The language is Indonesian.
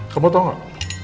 kamu tau gak